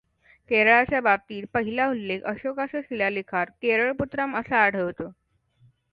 केरळाच्या बाबतीतील पहिला उल्लेख अशोकाच्या शिलालेखात केरळपुत्रम असा आढळतो.